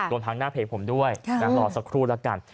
รวมทั้งหน้าเพจผมด้วยรอสักครู่แล้วกัน